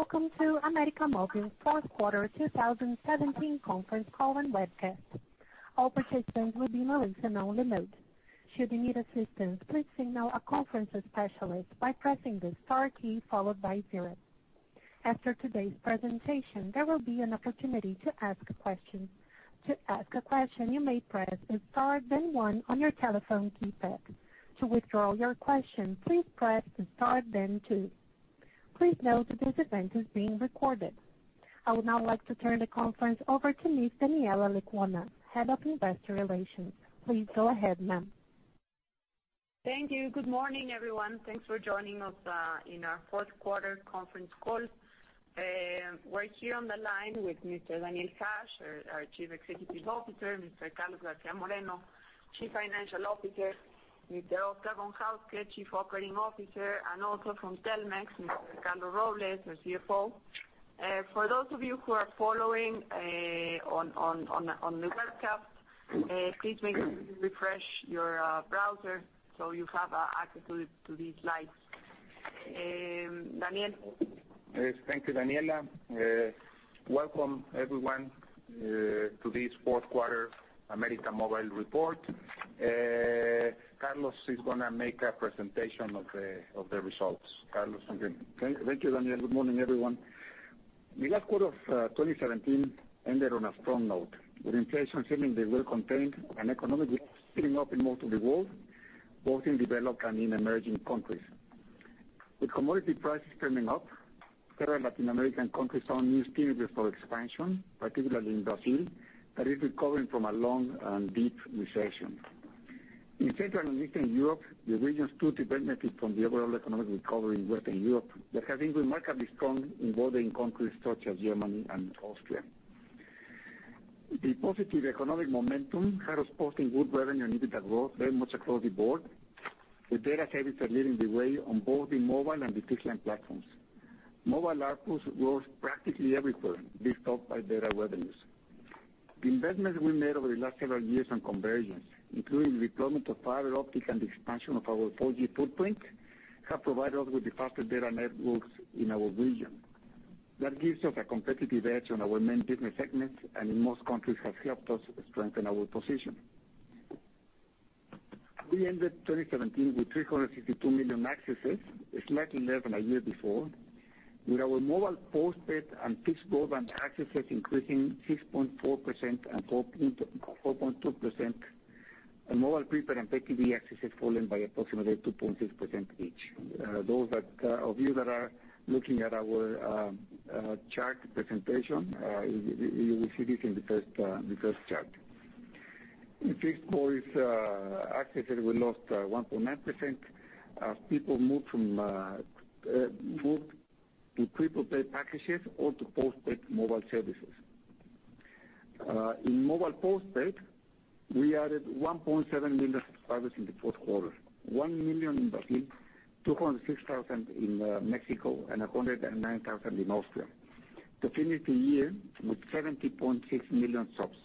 Welcome to América Móvil's fourth quarter 2017 conference call and webcast. All participants will be in a listen-only mode. Should you need assistance, please signal a conference specialist by pressing the star key, followed by zero. After today's presentation, there will be an opportunity to ask a question. To ask a question, you may press star, then one on your telephone keypad. To withdraw your question, please press star, then two. Please note that this event is being recorded. I would now like to turn the conference over to Miss Daniela Lecuona, Head of Investor Relations. Please go ahead, ma'am. Thank you. Good morning, everyone. Thanks for joining us in our fourth quarter conference call. We're here on the line with Mr. Daniel Hajj, our Chief Executive Officer, Mr. Carlos García Moreno, Chief Financial Officer, Mr. [Óscar von Hauske], Chief Operating Officer, and also from Telmex, Mr. Carlos Robles, the CFO. For those of you who are following on the webcast, please make sure you refresh your browser so you have access to these slides. Daniel? Thank you, Daniela. Welcome, everyone, to this fourth quarter América Móvil report. Carlos is going to make a presentation of the results. Carlos. Okay. Thank you, Daniela. Good morning, everyone. The last quarter of 2017 ended on a strong note, with inflation seemingly well-contained and economic growth picking up in most of the world, both in developed and in emerging countries. With commodity prices trending up, several Latin American countries saw new synergies for expansion, particularly in Brazil, that is recovering from a long and deep recession. In Central and Eastern Europe, the region's too dependent from the overall economic recovery in Western Europe that has been remarkably strong in bordering countries such as Germany and Austria. The positive economic momentum had us posting good revenue and EBITDA growth very much across the board, with data services leading the way on both the mobile and the fixed line platforms. Mobile ARPU grew practically everywhere, boosted by data revenues. The investments we made over the last several years on conversions, including deployment of fiber optic and expansion of our 4G footprint, have provided us with the fastest data networks in our region. That gives us a competitive edge on our main business segments and in most countries has helped us strengthen our position. We ended 2017 with 362 million accesses, slightly less than a year before, with our mobile postpaid and fixed broadband accesses increasing 6.4% and 4.2%, and mobile prepaid and pay TV accesses falling by approximately 2.6% each. Those of you that are looking at our chart presentation, you will see this in the first chart. In fixed voice accesses, we lost 1.9% as people moved to prepaid packages or to postpaid mobile services. In mobile postpaid, we added 1.7 million subscribers in the fourth quarter, 1 million in Brazil, 206,000 in Mexico, and 109,000 in Austria, to finish the year with 70.6 million subs.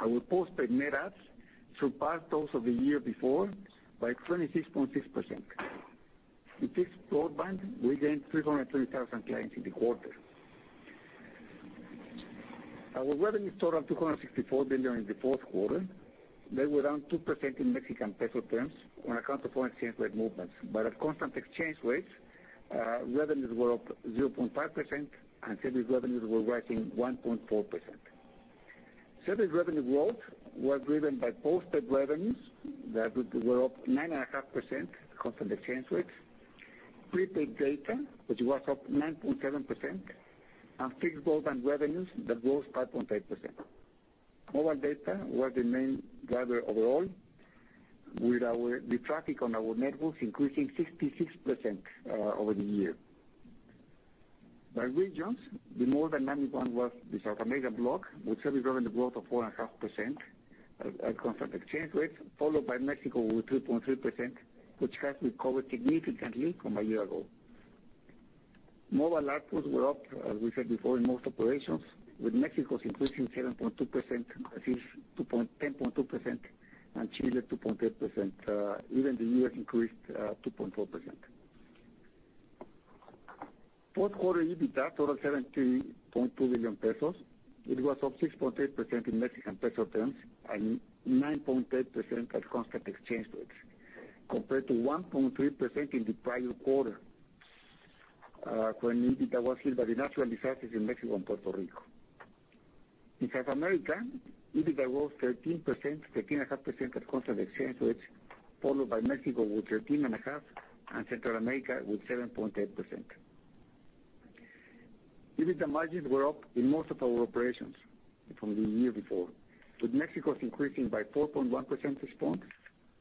Our postpaid net adds surpassed those of the year before by 26.6%. Our revenues totaled 264 billion in the fourth quarter. They were down 2% in MXN terms on account of foreign exchange rate movements. At constant exchange rates, revenues were up 0.5%, and service revenues were rising 1.4%. Service revenue growth was driven by postpaid revenues that were up 9.5% at constant exchange rates, prepaid data, which was up 9.7%, and fixed broadband revenues that rose 5.8%. Mobile data was the main driver overall, with the traffic on our networks increasing 66% over the year. By regions, the more dynamic one was the South America block, with service revenue growth of 4.5% at constant exchange rates, followed by Mexico with 3.3%, which has recovered significantly from a year ago. Mobile ARPU were up, as we said before, in most operations, with Mexico's increasing 7.2%, Brazil's 10.2%, and Chile 2.8%. Even the U.S. increased 2.4%. Fourth quarter EBITDA totaled 70.2 billion pesos. It was up 6.8% in MXN terms and 9.8% at constant exchange rates, compared to 1.3% in the prior quarter, when EBITDA was hit by the natural disasters in Mexico and Puerto Rico. In South America, EBITDA rose 13.5% at constant exchange rates, followed by Mexico with 13.5%, and Central America with 7.8%. EBITDA margins were up in most of our operations from the year before, with Mexico's increasing by 4.1% this quarter,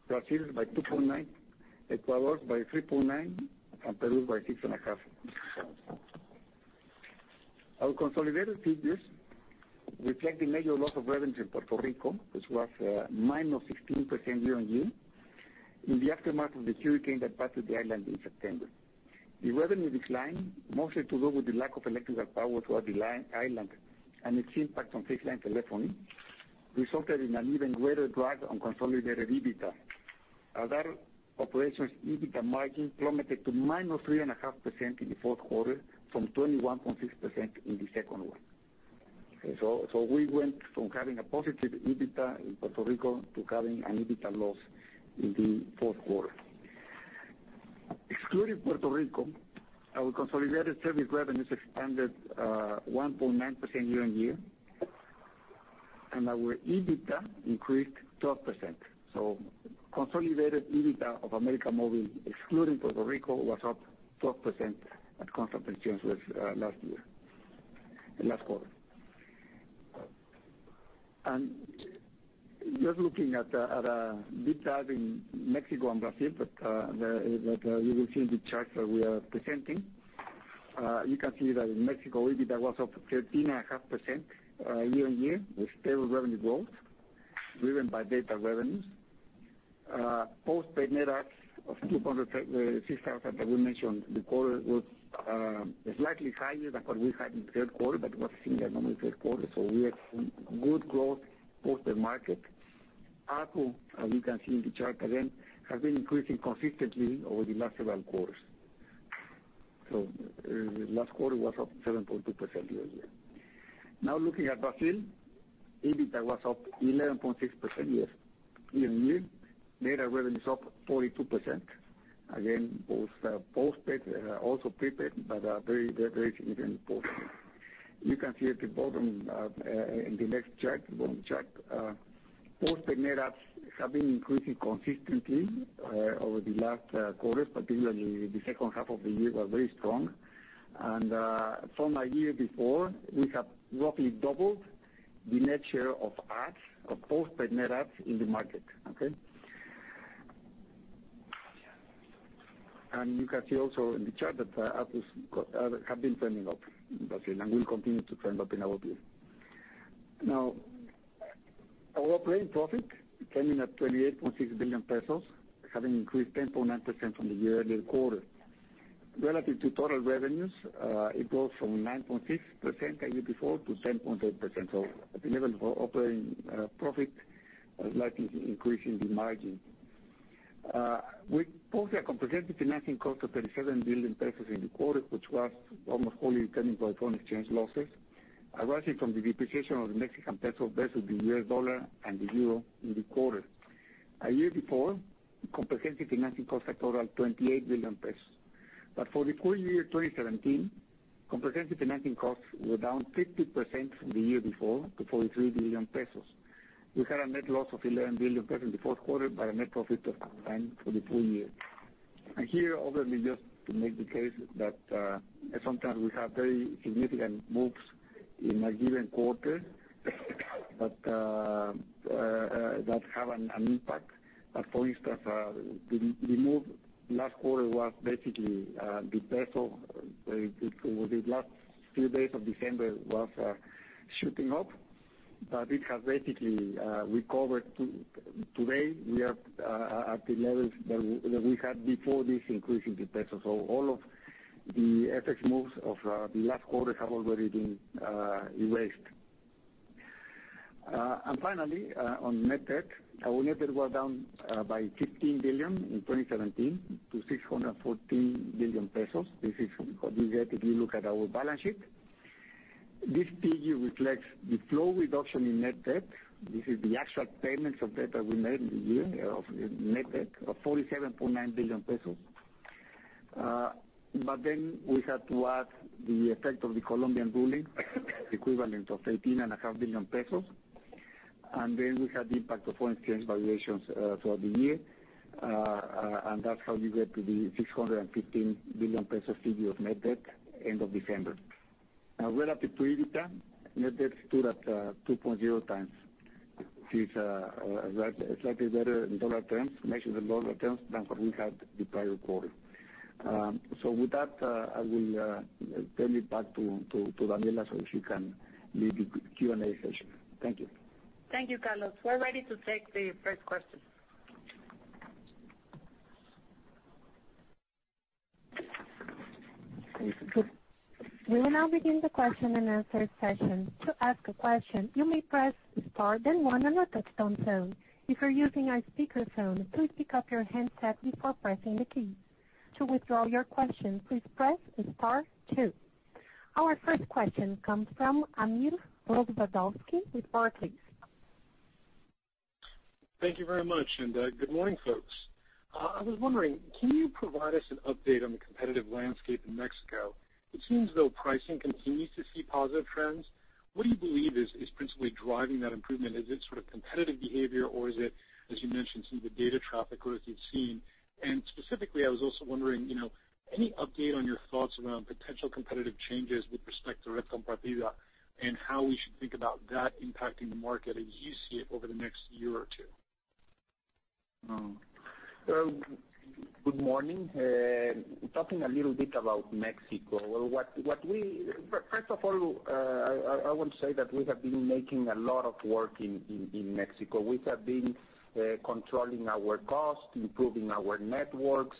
Brazil's by 2.9%, Ecuador's by 3.9%, and Peru's by 6.5%. Our consolidated CDOs reflect the major loss of revenues in Puerto Rico, which was -16% year-on-year in the aftermath of the hurricane that battered the island in September. The revenue decline, mostly to do with the lack of electrical power toward the island and its impact on fixed line telephony, resulted in an even greater drag on consolidated EBITDA. Our operations EBITDA margin plummeted to -3.5% in the fourth quarter from 21.6% in the second quarter. We went from having a positive EBITDA in Puerto Rico to having an EBITDA loss in the fourth quarter. Excluding Puerto Rico, our consolidated service revenues expanded 1.9% year-on-year, and our EBITDA increased 12%. Consolidated EBITDA of América Móvil, excluding Puerto Rico, was up 12% at constant exchange rates last year, last quarter. Just looking at the detail in Mexico and Brazil, you will see in the charts that we are presenting. You can see that in Mexico, EBITDA was up 13.5% year-on-year with stable revenue growth driven by data revenues. Postpaid net adds of 206,000 that we mentioned in the quarter was slightly higher than what we had in the third quarter, but it was a similar number third quarter, we had good growth postpaid market. ARPU, as you can see in the chart again, has been increasing consistently over the last several quarters. Last quarter was up 7.2% year-on-year. Looking at Brazil, EBITDA was up 11.6% year-on-year. Data revenue is up 42%. Again, both postpaid also prepaid, but very significant in postpaid. You can see at the bottom in the next chart, postpaid net adds have been increasing consistently over the last quarters, particularly the second half of the year was very strong. From a year before, we have roughly doubled the net share of adds of postpaid net adds in the market. Okay. You can see also in the chart that ARPU have been trending up in Brazil and will continue to trend up in our view. Our operating profit came in at 28.6 billion pesos, having increased 10.9% from the year-earlier quarter. Relative to total revenues, it goes from 9.6% the year before to 10.8%, at the level of operating profit, a slight increase in the margin. We posted a comprehensive financing cost of 37 billion pesos in the quarter, which was almost wholly driven by foreign exchange losses arising from the depreciation of the Mexican peso versus the USD and the EUR in the quarter. A year before, comprehensive financing costs totaled 28 billion pesos. For the full year 2017, comprehensive financing costs were down 50% from the year before to 43 billion pesos. We had a net loss of 11 billion pesos in the fourth quarter, but a net profit of 9 billion for the full year. Here, obviously, just to make the case that sometimes we have very significant moves in a given quarter that have an impact. For instance, the move last quarter was basically the peso, over the last few days of December was shooting up, but it has basically recovered. Today, we are at the levels that we had before this increase in the peso. All of the FX moves of the last quarter have already been erased. Finally, on net debt, our net debt was down by 15 billion in 2017 to 614 billion pesos. This is what you get if you look at our balance sheet. This figure reflects the flow reduction in net debt. This is the actual payments of debt that we made in the year of net debt of 47.9 billion pesos. We had to add the effect of the Colombian ruling, the equivalent of 18.5 billion pesos. We had the impact of foreign exchange valuations throughout the year. That's how you get to the 615 billion pesos figure of net debt end of December. Relative to EBITDA, net debt stood at 2.0 times. This is a slightly better in dollar terms, measured in dollar terms than what we had the prior quarter. With that, I will turn it back to Daniela so she can lead the Q&A session. Thank you. Thank you, Carlos. We're ready to take the first question. We will now begin the question and answer session. To ask a question, you may press star then one on your touchtone phone. If you're using a speakerphone, please pick up your handset before pressing the key. To withdraw your question, please press star two. Our first question comes from Amir Paz-Bazalski with Barclays. Thank you very much. Good morning, folks. I was wondering, can you provide us an update on the competitive landscape in Mexico? It seems though pricing continues to see positive trends. What do you believe is principally driving that improvement? Is it sort of competitive behavior or is it, as you mentioned, some of the data traffic growth you've seen? Specifically, I was also wondering, any update on your thoughts around potential competitive changes with respect to Red Compartida and how we should think about that impacting the market as you see it over the next year or two? Good morning. Talking a little bit about Mexico. First of all, I want to say that we have been making a lot of work in Mexico. We have been controlling our costs, improving our networks,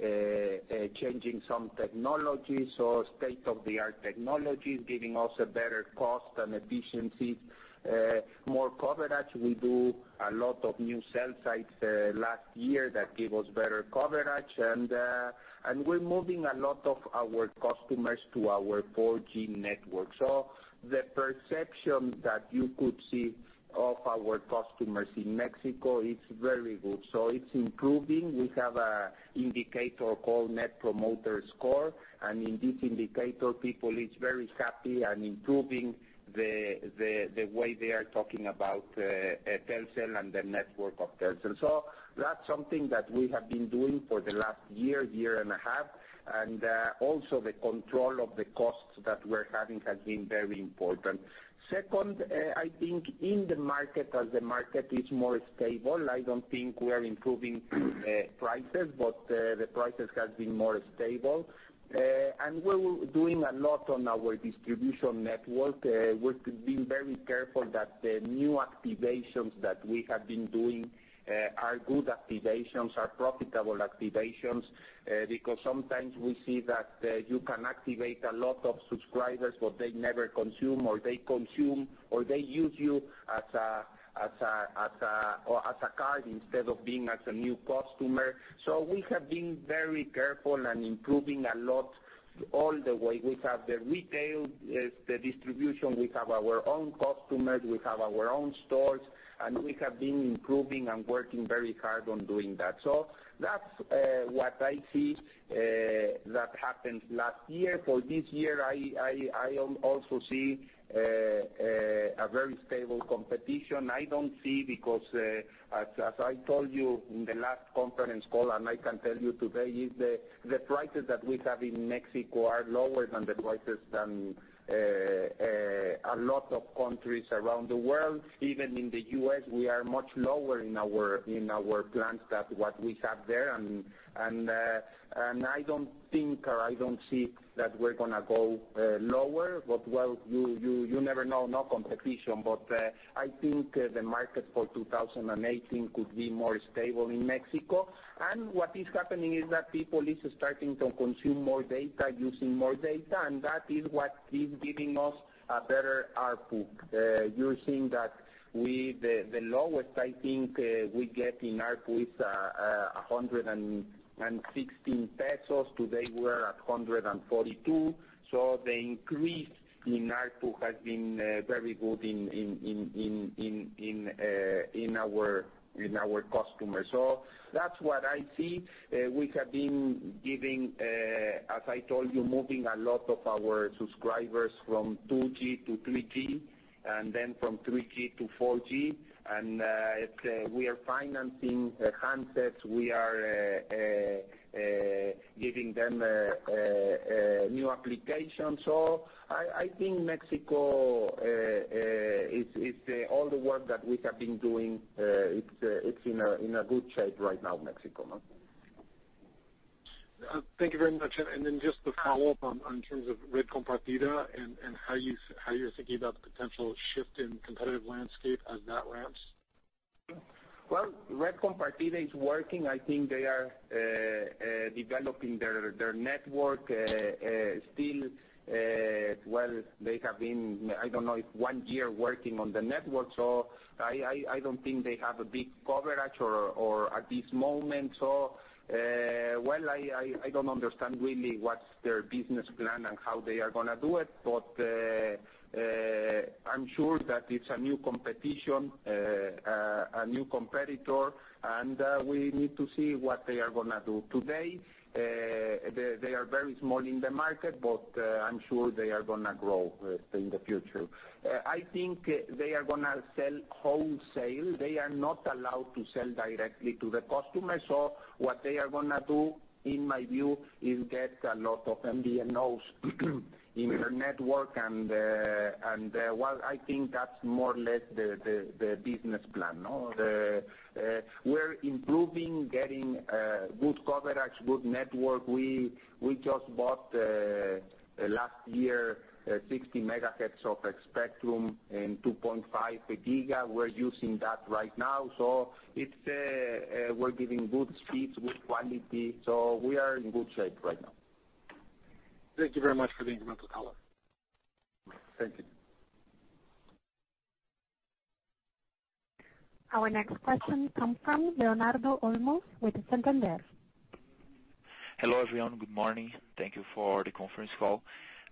changing some technologies, state-of-the-art technologies giving us a better cost and efficiency, more coverage. We do a lot of new cell sites last year that give us better coverage, and we're moving a lot of our customers to our 4G network. The perception that you could see of our customers in Mexico, it's very good. It's improving. We have an indicator called Net Promoter Score, in this indicator, people is very happy and improving the way they are talking about Telcel and the network of Telcel. That's something that we have been doing for the last year and a half, and also the control of the costs that we're having has been very important. Second, I think in the market, as the market is more stable, I don't think we are improving prices, but the prices have been more stable. We're doing a lot on our distribution network. We've been very careful that the new activations that we have been doing are good activations, are profitable activations. Because sometimes we see that you can activate a lot of subscribers, but they never consume, or they consume, or they use you as a card instead of being as a new customer. We have been very careful and improving a lot all the way. We have the retail, the distribution, we have our own customers, we have our own stores, and we have been improving and working very hard on doing that. That's what I see that happened last year. For this year, I also see a very stable competition. I don't see, because, as I told you in the last conference call, and I can tell you today, is the prices that we have in Mexico are lower than the prices than a lot of countries around the world. Even in the U.S., we are much lower in our plans than what we have there, and I don't think or I don't see that we're going to go lower. Well, you never know. No competition. I think the market for 2018 could be more stable in Mexico. What is happening is that people is starting to consume more data, using more data, and that is what is giving us a better ARPU. You're seeing that the lowest, I think, we get in ARPU is 116 pesos. Today we are at 142. The increase in ARPU has been very good in our customers. That's what I see. We have been giving, as I told you, moving a lot of our subscribers from 2G to 3G and then from 3G to 4G, and we are financing handsets. We are giving them new applications. I think Mexico, all the work that we have been doing, it's in a good shape right now, Mexico. Thank you very much. Then just to follow up on terms of Red Compartida and how you're thinking about the potential shift in competitive landscape as that ramps. Red Compartida is working. I think they are developing their network still. They have been, I don't know, one year working on the network, so I don't think they have a big coverage at this moment. I don't understand really what's their business plan and how they are going to do it, but I'm sure that it's a new competition, a new competitor, and we need to see what they are going to do. Today, they are very small in the market, but I'm sure they are going to grow in the future. I think they are going to sell wholesale. They are not allowed to sell directly to the customer. What they are going to do, in my view, is get a lot of MVNOs in their network, and, I think that's more or less the business plan. We're improving, getting good coverage, good network. We just bought, last year, 60 MHz of spectrum and 2.5 GHz. We're using that right now. We're giving good speeds, good quality. We are in good shape right now. Thank you very much for the incremental color. Thank you. Our next question comes from Leonardo Olmos with Santander. Hello, everyone. Good morning. Thank you for the conference call.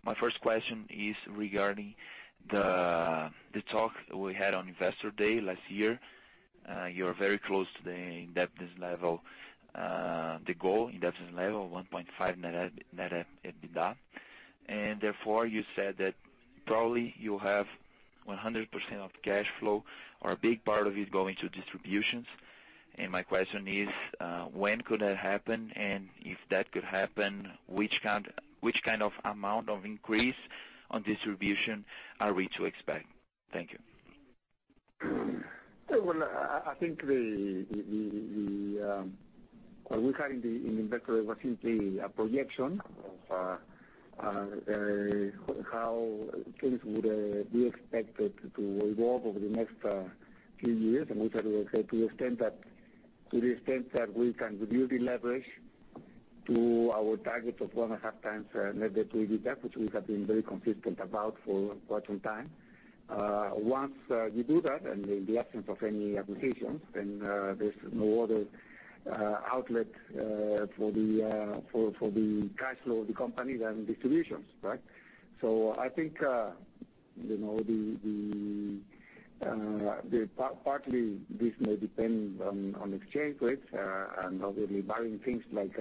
My first question is regarding the talk we had on Investor Day last year. You're very close to the goal indebtedness level of 1.5 net EBITDA, and therefore, you said that probably you have 100% of cash flow or a big part of it going to distributions. My question is, when could that happen? If that could happen, which kind of amount of increase on distribution are we to expect? Thank you. I think what we had in the Investor Day was simply a projection of how things would be expected to evolve over the next few years, and we said to the extent that we can reduce the leverage to our target of one and a half times net debt to EBITDA, which we have been very consistent about for quite some time. Once we do that, and in the absence of any acquisitions, then there's no other outlet for the cash flow of the company than distributions. I think, partly this may depend on exchange rates and obviously varying things like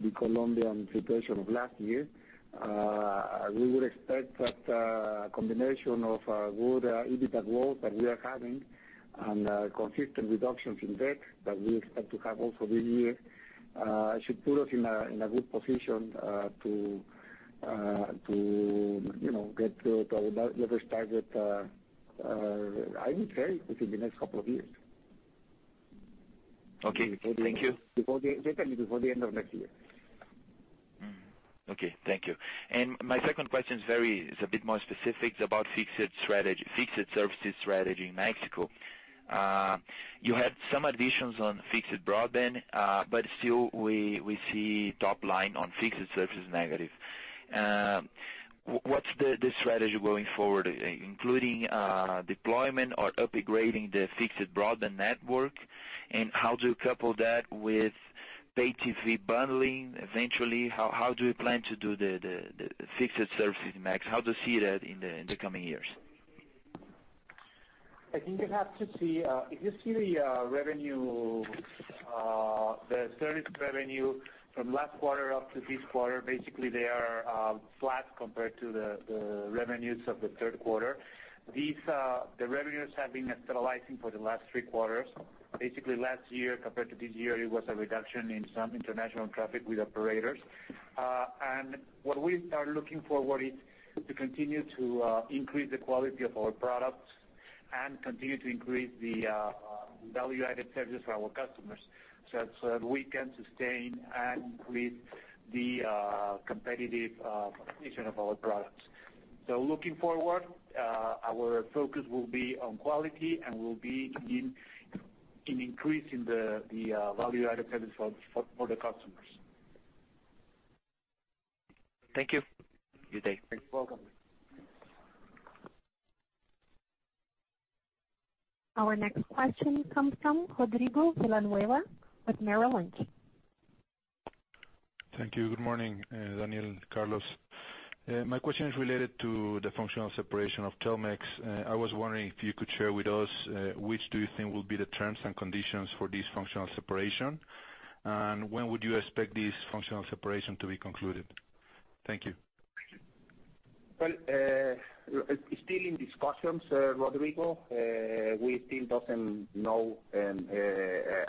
the Colombian situation of last year. We would expect that a combination of good EBITDA growth that we are having and consistent reductions in debt that we expect to have also this year, should put us in a good position to get to our leverage target, I would say within the next couple of years. Okay. Thank you. Let me tell you before the end of next year. Okay, thank you. My second question is a bit more specific. It is about fixed services strategy in Mexico. You had some additions on fixed broadband, still we see top line on fixed services negative. What is the strategy going forward, including deployment or upgrading the fixed broadband network? How do you couple that with pay TV bundling eventually? How do you plan to do the fixed services in Mexico? How to see that in the coming years? I think you have to see. If you see the service revenue from last quarter up to this quarter, basically they are flat compared to the revenues of the third quarter. The revenues have been stabilizing for the last three quarters. Basically last year compared to this year, it was a reduction in some international traffic with operators. What we are looking forward is to continue to increase the quality of our products and continue to increase the value added services for our customers, such that we can sustain and increase the competitive position of our products. Looking forward, our focus will be on quality and will be in increasing the value added services for the customers. Thank you. Good day. You're welcome. Our next question comes from Rodrigo Villanueva with Merrill Lynch. Thank you. Good morning, Daniel, Carlos. My question is related to the functional separation of Telmex. I was wondering if you could share with us, which do you think will be the terms and conditions for this functional separation? When would you expect this functional separation to be concluded? Thank you. Well, still in discussions, Rodrigo. We still don't know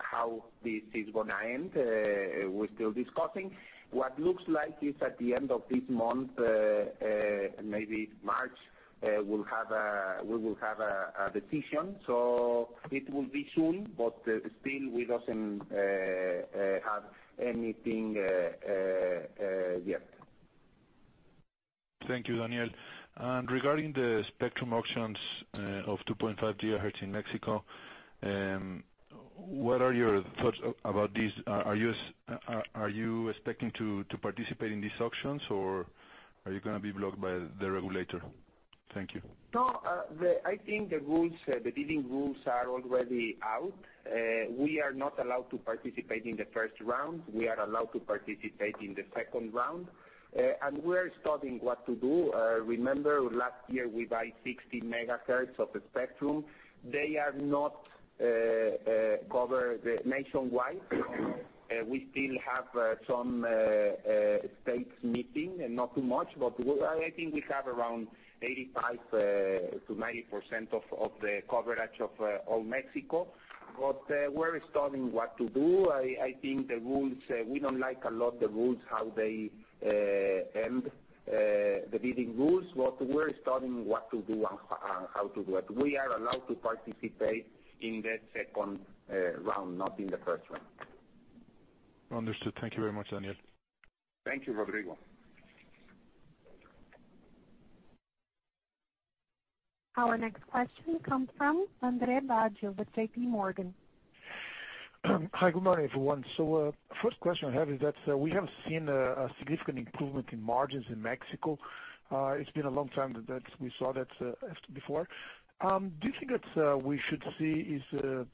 how this is going to end. We're still discussing. What looks like is at the end of this month, maybe March, we will have a decision. It will be soon, but still we don't have anything yet. Thank you, Daniel. Regarding the spectrum auctions of 2.5 GHz in Mexico, what are your thoughts about this? Are you expecting to participate in these auctions, or are you going to be blocked by the regulator? Thank you. No, I think the bidding rules are already out. We are not allowed to participate in the first round. We are allowed to participate in the second round. We're studying what to do. Remember, last year we buy 60 MHz of spectrum. They are not covered nationwide. We still have some states meeting, not too much, but I think we have around 85%-90% of the coverage of all Mexico. We're studying what to do. We don't like a lot the rules, how they end the bidding rules, but we're studying what to do and how to do it. We are allowed to participate in the second round, not in the first round. Understood. Thank you very much, Daniel. Thank you, Rodrigo. Our next question comes from Andre Baggio with JP Morgan. Hi, good morning, everyone. First question I have is that we have seen a significant improvement in margins in Mexico. It's been a long time that we saw that before. Do you think that we should see is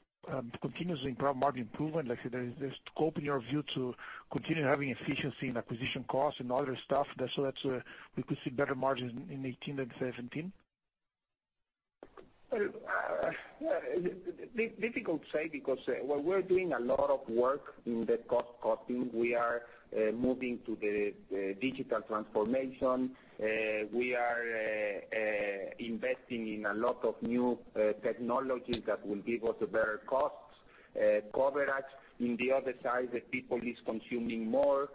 continuous margin improvement, like there's scope in your view to continue having efficiency in acquisition costs and other stuff, so that we could see better margins in 2018 than 2017? Well, difficult to say because while we're doing a lot of work in the cost cutting, we are moving to the digital transformation. We are investing in a lot of new technologies that will give us better costs. Coverage. On the other side, the people is consuming more,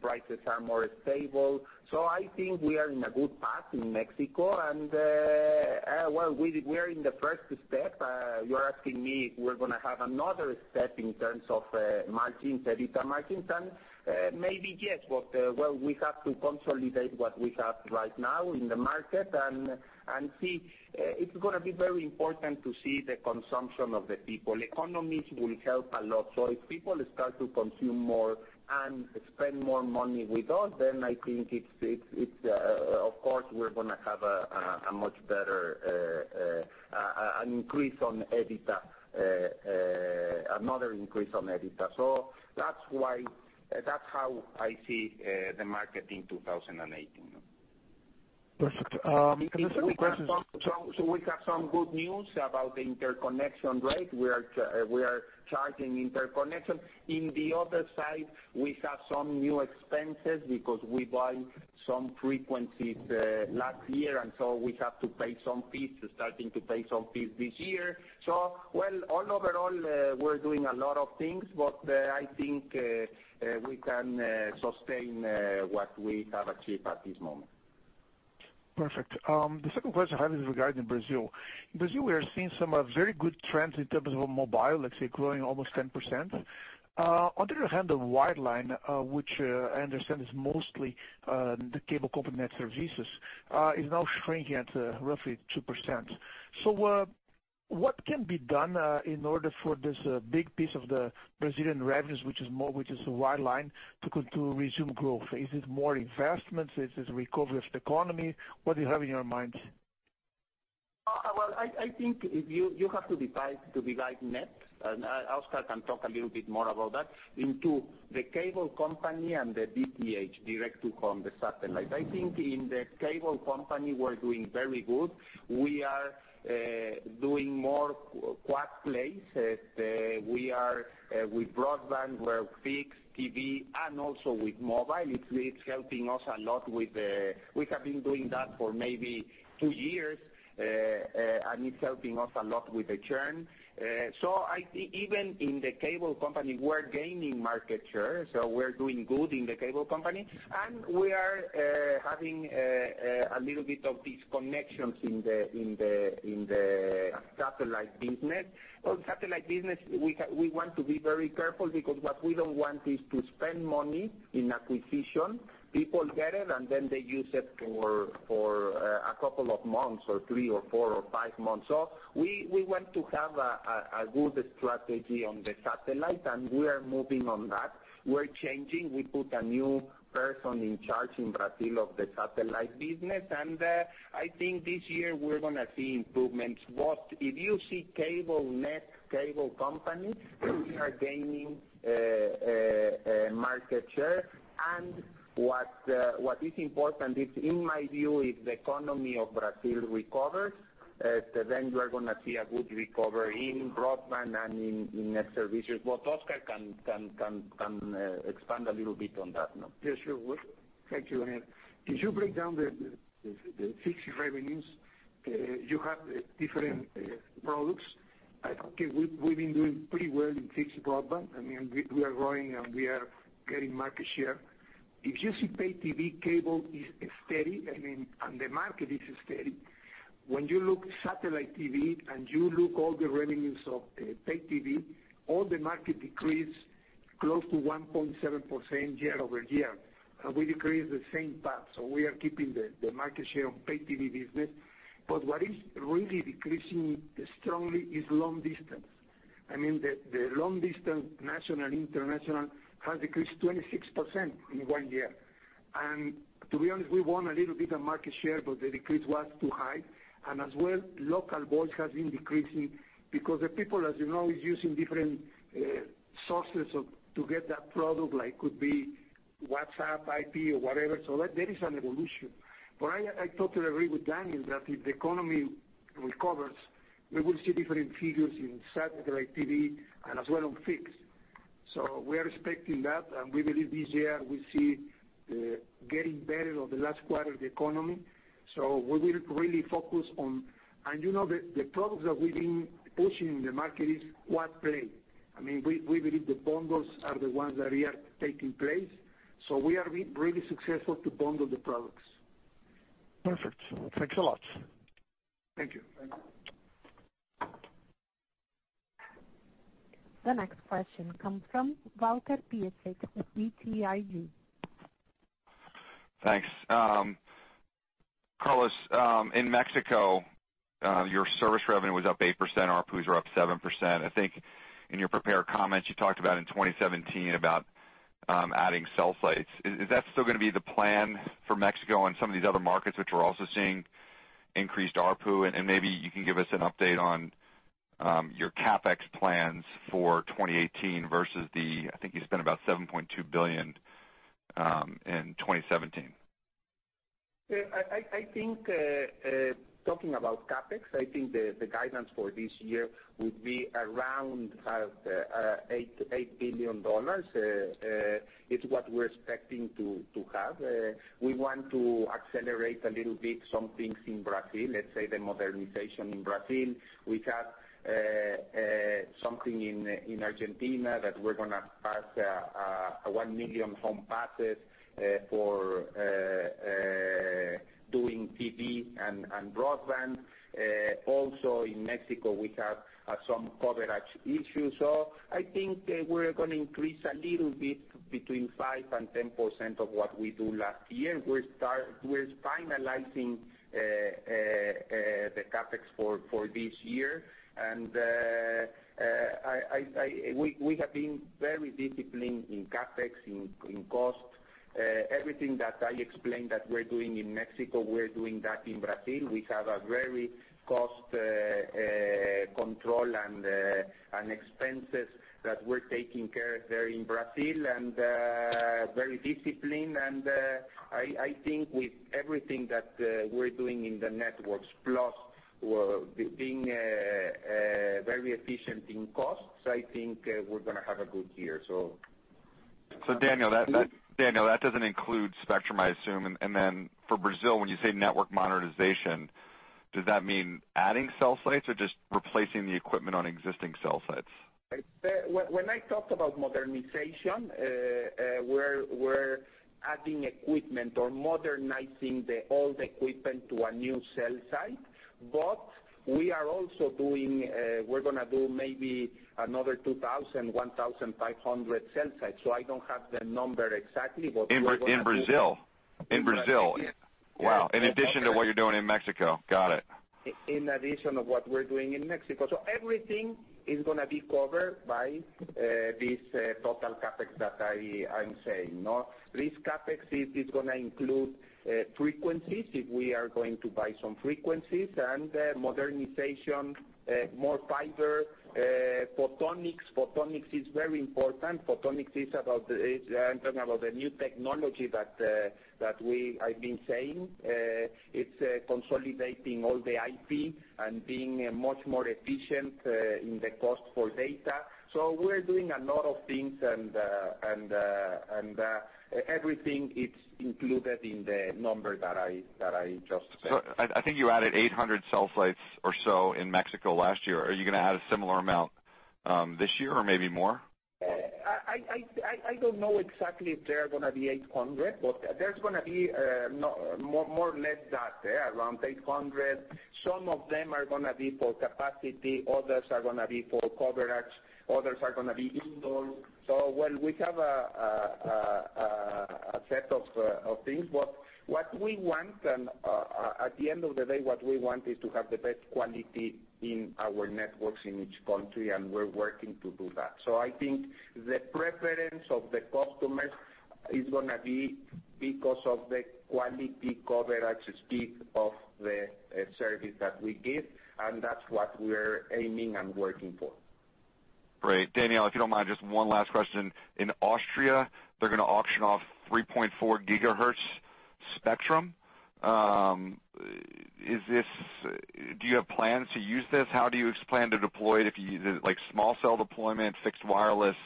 prices are more stable. I think we are in a good path in Mexico and, well, we are in the first step. You're asking me if we're going to have another step in terms of margins, EBITDA margins, and maybe yes, but, well, we have to consolidate what we have right now in the market and see. It's going to be very important to see the consumption of the people. Economies will help a lot. If people start to consume more and spend more money with us, then I think, of course, we're going to have a much better increase on EBITDA, another increase on EBITDA. That's how I see the market in 2018. Perfect. The second question is. We have some good news about the interconnection rate. We are charging interconnection. On the other side, we have some new expenses because we buy some frequencies last year, we have to pay some fees, starting to pay some fees this year. Well, all overall, we're doing a lot of things, but I think we can sustain what we have achieved at this moment. Perfect. The second question I have is regarding Brazil. In Brazil, we are seeing some very good trends in terms of mobile, let's say growing almost 10%. On the other hand, the wireline, which I understand is mostly the cable company NET Serviços, is now shrinking at roughly 2%. What can be done in order for this big piece of the Brazilian revenues, which is wireline, to resume growth? Is it more investments? Is this recovery of the economy? What do you have in your mind? Well, I think you have to divide NET, and Oscar Gonzalez can talk a little bit more about that, into the cable company and the DTH, direct to home, the satellite. I think in the cable company, we're doing very good. We are doing more quad plays. With broadband, with fixed TV, and also with mobile. It's helping us a lot. We have been doing that for maybe two years, and it's helping us a lot with the churn. I think even in the cable company, we're gaining market share, so we're doing good in the cable company, and we are having a little bit of disconnections in the satellite business. Satellite business, we want to be very careful because what we don't want is to spend money in acquisition. People get it, and then they use it for a couple of months, or three or four or five months. We want to have a good strategy on the satellite, and we are moving on that. We're changing. We put a new person in charge in Brazil of the satellite business, and I think this year we're going to see improvements. If you see cable NET, cable company, we are gaining market share. What is important is, in my view, if the economy of Brazil recovers, then you are going to see a good recovery in broadband and in NET Serviços. Oscar Gonzalez can expand a little bit on that. Yeah, sure. Thank you. If you break down the fixed revenues, you have different products. I think we've been doing pretty well in fixed broadband. We are growing, and we are gaining market share. If you see pay TV, cable is steady, and the market is steady. When you look satellite TV, and you look all the revenues of pay TV, all the market decrease close to 1.7% year-over-year. We decrease the same path, so we are keeping the market share of pay TV business. But what is really decreasing strongly is long distance. The long distance, national, international, has decreased 26% in one year. And to be honest, we want a little bit of market share, but the decrease was too high. As well, local voice has been decreasing because the people, as you know, is using different sources to get that product, like could be WhatsApp, IP, or whatever. There is an evolution. I totally agree with Daniel Hajj that if the economy recovers, we will see different figures in satellite TV and as well on fixed. We are expecting that, and we believe this year we see getting better of the last quarter of the economy. We will really focus on— You know, the products that we've been pushing in the market is quad play. We believe the bundles are the ones that we are taking place. We are really successful to bundle the products. Perfect. Thanks a lot. Thank you. Thank you. The next question comes from Walter Piecyk with BTIG. Thanks. Carlos, in Mexico, your service revenue was up 8%, ARPUs were up 7%. I think in your prepared comments you talked about in 2017 about adding cell sites. Is that still going to be the plan for Mexico and some of these other markets which we're also seeing increased ARPU? Maybe you can give us an update on your CapEx plans for 2018 versus the, I think you spent about $7.2 billion in 2017. I think talking about CapEx, I think the guidance for this year would be around $8 billion. It's what we're expecting to have. We want to accelerate a little bit some things in Brazil, let's say the modernization in Brazil. We have something in Argentina that we're going to pass 1 million homes passed for doing TV and broadband. Also in Mexico, we have some coverage issues. I think we're going to increase a little bit between 5% and 10% of what we do last year. We're finalizing the CapEx for this year. We have been very disciplined in CapEx, in costs. Everything that I explained that we're doing in Mexico, we're doing that in Brazil. We have a very cost control and expenses that we're taking care there in Brazil and very disciplined. I think with everything that we're doing in the networks plus with being very efficient in costs, I think we're going to have a good year. Daniel, that doesn't include spectrum, I assume. For Brazil, when you say network modernization, does that mean adding cell sites or just replacing the equipment on existing cell sites? When I talk about modernization, we're adding equipment or modernizing the old equipment to a new cell site. We're going to do maybe another 2,000, 1,500 cell sites. I don't have the number exactly, but we're going to do that. In Brazil? In Brazil. Wow. In addition to what you're doing in Mexico. Got it. In addition of what we're doing in Mexico. Everything is going to be covered by this total CapEx that I'm saying. This CapEx is going to include frequencies, if we are going to buy some frequencies, and modernization, more fiber, photonics. Photonics is very important. Photonics, I'm talking about the new technology that I've been saying. It's consolidating all the IP and being much more efficient in the cost for data. We're doing a lot of things and everything is included in the number that I just said. I think you added 800 cell sites or so in Mexico last year. Are you going to add a similar amount this year or maybe more? I don't know exactly if there are going to be 800, but there's going to be more or less that, around 800. Some of them are going to be for capacity, others are going to be for coverage, others are going to be indoor. Well, we have a set of things, but at the end of the day, what we want is to have the best quality in our networks in each country, and we're working to do that. I think the preference of the customers is going to be because of the quality, coverage, speed of the service that we give, and that's what we're aiming and working for. Great. Daniel, if you don't mind, just one last question. In Austria, they're going to auction off 3.4 GHz spectrum. Do you have plans to use this? How do you plan to deploy it if you use it, like small cell deployment, fixed wireless?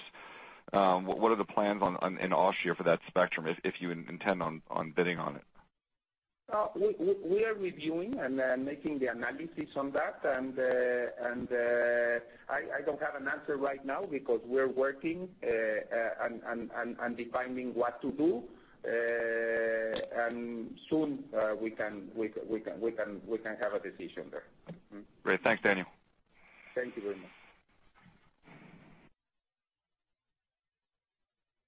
What are the plans in Austria for that spectrum if you intend on bidding on it? We are reviewing and making the analysis on that, and I don't have an answer right now because we're working and defining what to do. Soon we can have a decision there. Great. Thanks, Daniel. Thank you very much.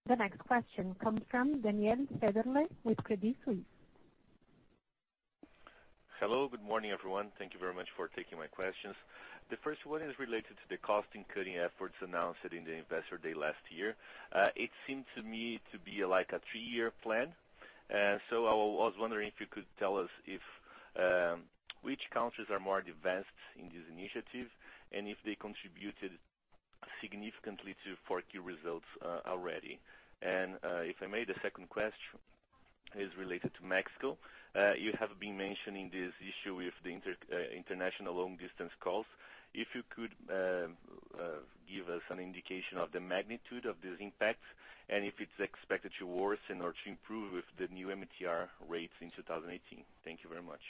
The next question comes from Daniel Federle with Credit Suisse. Hello. Good morning, everyone. Thank you very much for taking my questions. The first one is related to the cost-cutting efforts announced in the investor day last year. It seemed to me to be like a three-year plan. I was wondering if you could tell us which countries are more advanced in this initiative and if they contributed significantly to 4Q results already. If I may, the second question is related to Mexico. You have been mentioning this issue with the international long-distance calls. If you could give us an indication of the magnitude of this impact and if it's expected to worsen or to improve with the new MTR rates in 2018. Thank you very much.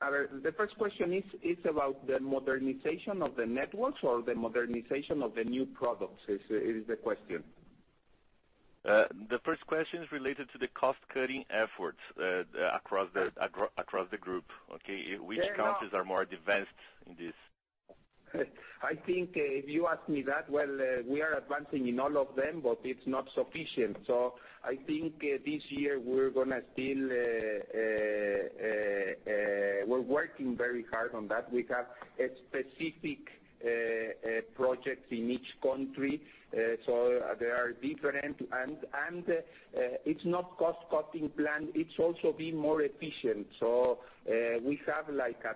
The first question is about the modernization of the networks or the modernization of the new products, is the question? The first question is related to the cost-cutting efforts across the group, okay? Fair enough. Which countries are more advanced in this? If you ask me that, well, we are advancing in all of them, it's not sufficient. I think this year we're working very hard on that. We have a specific project in each country, they are different. It's not cost-cutting plan, it's also being more efficient. We have like a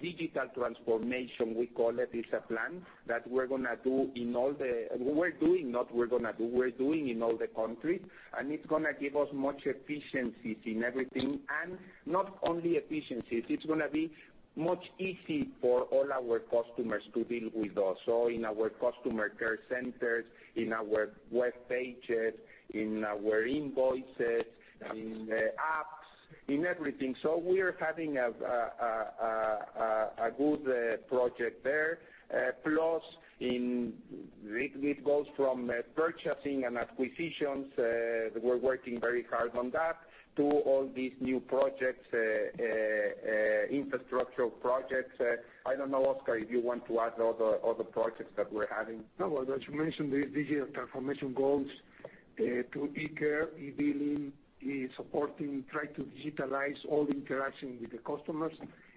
digital transformation, we call it. It's a plan that we're doing in all the countries, it's going to give us much efficiencies in everything. Not only efficiencies, it's going to be much easy for all our customers to deal with us. In our customer care centers, in our web pages, in our invoices, in the apps, in everything. We are having a good project there. Plus, it goes from purchasing and acquisitions, we're working very hard on that, to all these new projects, infrastructural projects. I don't know, Oscar, if you want to add other projects that we're adding. No, as you mentioned, the digital transformation goals to eCare, eBilling, is supporting, trying to digitalize all the interaction with the customers.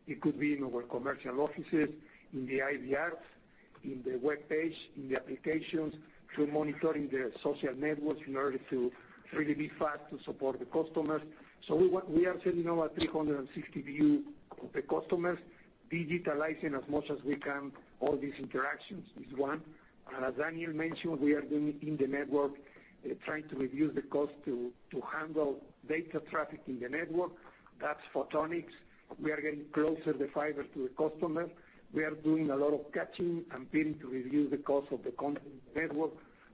It could be in our commercial offices, in the IVRs, in the web page, in the applications, through monitoring the social networks in order to really be fast to support the customers. We are sitting over 360 view of the customers, digitalizing as much as we can all these interactions, is one. As Daniel mentioned, we are doing in the network, trying to reduce the cost to handle data traffic in the network. That's photonics. We are getting closer the fiber to the customer. We are doing a lot of caching and peering to reduce the cost of the content network.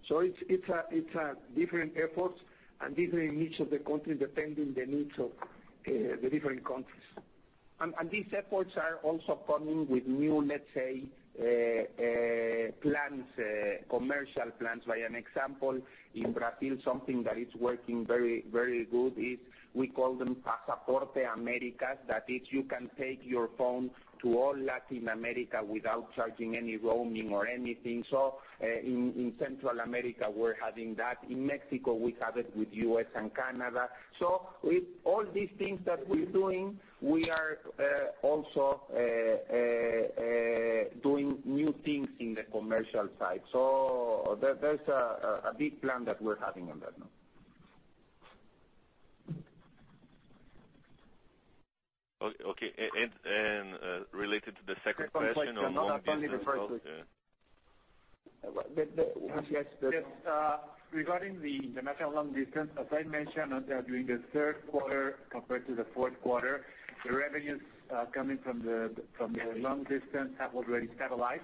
It's different efforts and different in each of the countries, depending the needs of the different countries. These efforts are also coming with new, let's say, plans, commercial plans. By an example, in Brazil, something that is working very good is we call them Americas. That is, you can take your phone to all Latin America without charging any roaming or anything. In Central America, we're having that. In Mexico, we have it with U.S. and Canada. With all these things that we're doing, we are also doing new things in the commercial side. There's a big plan that we're having on that now. Okay. Related to the second question on long distance calls. Yes. Regarding the national long distance, as I mentioned, during the third quarter compared to the fourth quarter, the revenues coming from the long distance have already stabilized.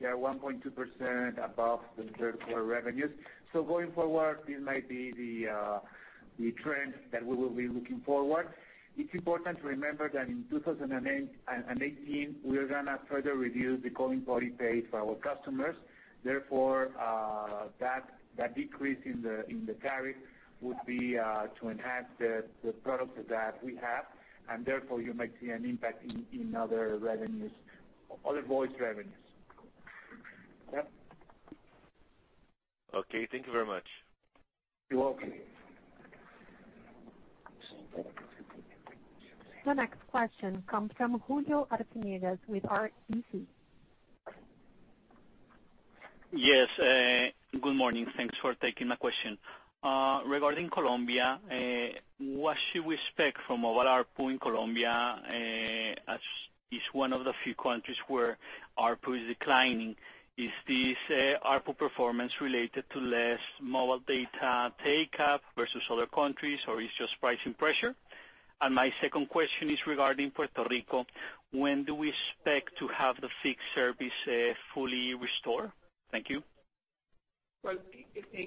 They are 1.2% above the third quarter revenues. Going forward, this might be the trend that we will be looking forward. It's important to remember that in 2018, we're going to further reduce the calling party pays for our customers. That decrease in the tariff would be to enhance the products that we have, therefore, you might see an impact in other voice revenues. Yeah. Okay. Thank you very much. You're welcome. The next question comes from Julio Arciniegas with RBC. Yes. Good morning. Thanks for taking my question. Regarding Colombia, what should we expect from mobile ARPU in Colombia, as it's one of the few countries where ARPU is declining? Is this ARPU performance related to less mobile data take-up versus other countries, or it's just pricing pressure? My second question is regarding Puerto Rico. When do we expect to have the fixed service fully restored? Thank you. Well,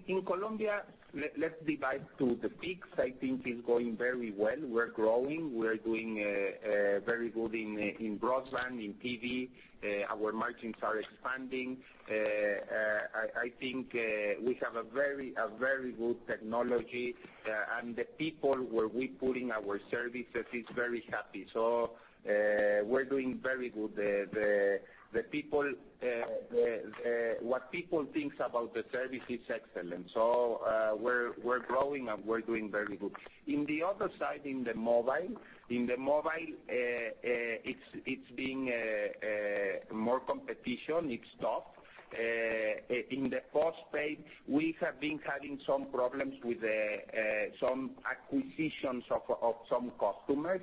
in Colombia, let's divide the topics. I think it's going very well. We're growing. We're doing very good in broadband, in TV. Our margins are expanding. I think we have a very good technology, and the people where we put in our services is very happy. We're doing very good. What people think about the service is excellent. We're growing and we're doing very good. In the other side, in the mobile, it's being more competition. It's tough. In the postpaid, we have been having some problems with some acquisitions of some customers.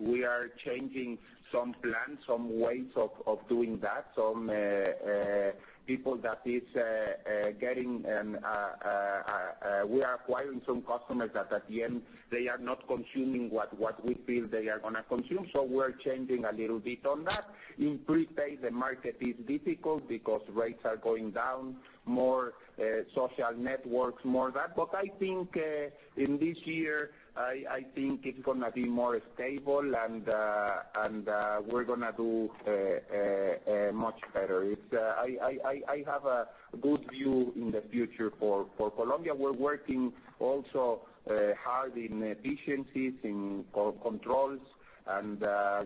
We are changing some plans, some ways of doing that. We are acquiring some customers that at the end, they are not consuming what we feel they are going to consume. We're changing a little bit on that. In prepaid, the market is difficult because rates are going down, more social networks, more that. I think in this year, I think it's going to be more stable and we're going to do much better. I have a good view in the future for Colombia. We're working also hard in efficiencies, in controls, and I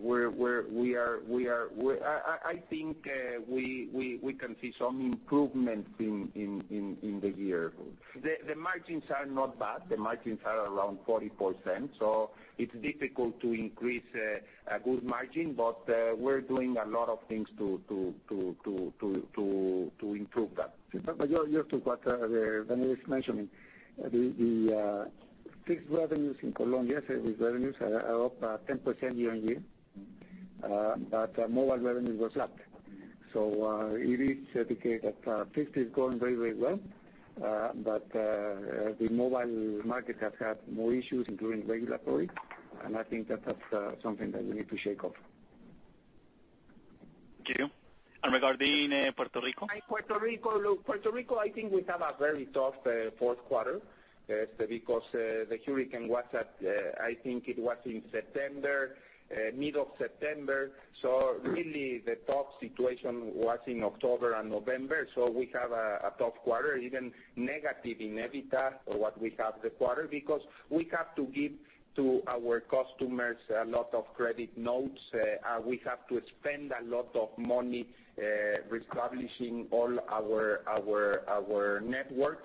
think we can see some improvement in the year. The margins are not bad. The margins are around 44%. It's difficult to increase a good margin, but we're doing a lot of things to improve that. Just to add to what Daniel is mentioning. The fixed revenues in Colombia, service revenues are up 10% year-on-year. Mobile revenue was flat. It is the case that fixed is going very, very well. The mobile market has had more issues, including regulatory, and I think that's something that we need to shake off. Thank you. Regarding Puerto Rico? Puerto Rico, I think we have a very tough fourth quarter because the hurricane was, I think it was in September, middle of September. Really the tough situation was in October and November. We have a tough quarter, even negative in EBITDA, what we have this quarter, because we have to give to our customers a lot of credit notes. We have to spend a lot of money reestablishing all our networks.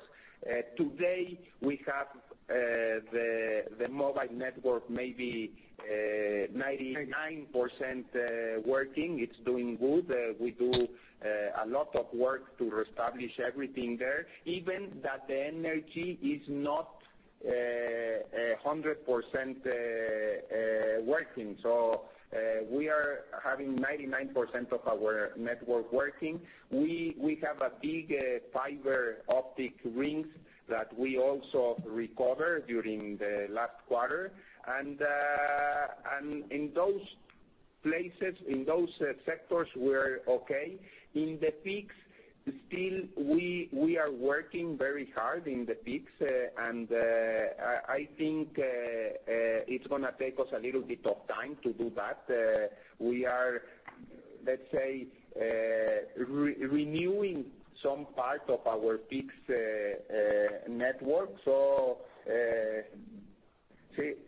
Today, we have the mobile network, maybe 99% working. It's doing good. We do a lot of work to reestablish everything there. Even that, the energy is not 100% working. We are having 99% of our network working. We have a big fiber optic ring that we also recover during the last quarter. In those places, in those sectors, we're okay. In the fixed, still, we are working very hard in the fixed. I think it's going to take us a little bit of time to do that. We are, let's say, renewing some part of our fixed network.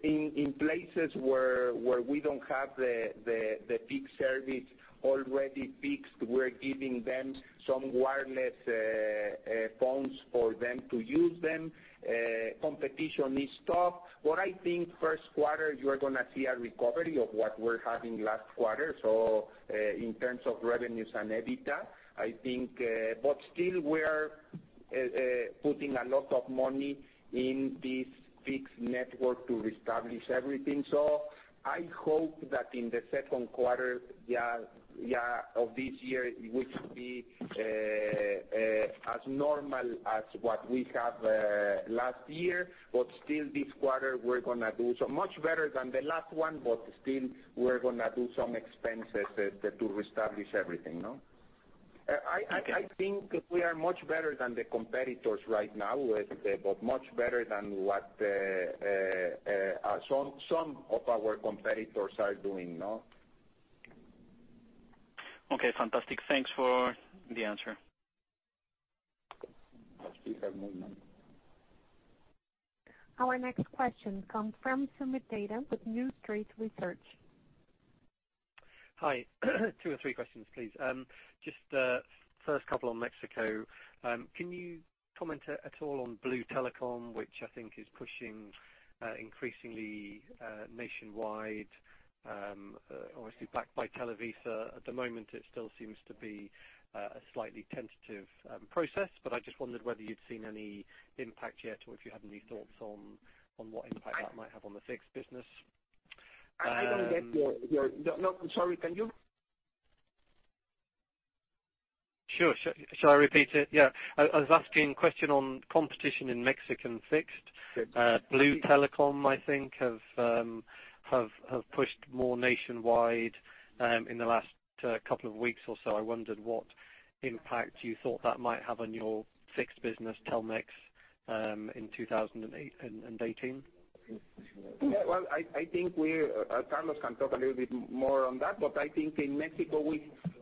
In places where we don't have the fixed service already fixed, we're giving them some wireless phones for them to use them. Competition is tough. What I think first quarter, you are going to see a recovery of what we're having last quarter. In terms of revenues and EBITDA, I think, but still we're putting a lot of money in this fixed network to reestablish everything. I hope that in the second quarter of this year, it will be as normal as what we have last year, but still this quarter we're going to do so much better than the last one, but still we're going to do some expenses to reestablish everything. Okay. I think we are much better than the competitors right now, but much better than what some of our competitors are doing. Okay, fantastic. Thanks for the answer. We have movement. Our next question comes from Soomit Datta with New Street Research. Hi. Two or three questions, please. Just first couple on Mexico. Can you comment at all on Blue Telecomm, which I think is pushing increasingly nationwide, obviously backed by Televisa. At the moment, it still seems to be a slightly tentative process, but I just wondered whether you'd seen any impact yet or if you had any thoughts on what impact that might have on the fixed business. I don't get your No, I'm sorry, can you? Sure. Shall I repeat it? Yeah. I was asking question on competition in Mexican fixed. Fixed. Blue Telecom, I think, have pushed more nationwide in the last couple of weeks or so. I wondered what impact you thought that might have on your fixed business, Telmex, in 2018. Well, I think Carlos can talk a little bit more on that, but I think in Mexico,